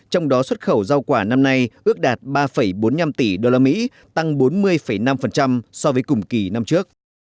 trong đó xuất khẩu rau quả năm nay ước đạt ba bốn mươi năm tỷ usd tăng bốn mươi năm so với cùng kỳ năm trước